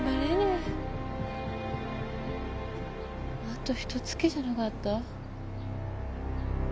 あとひと月じゃながった。